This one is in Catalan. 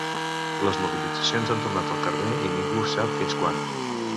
Les mobilitzacions han tornat al carrer i ningú no sap fins quan.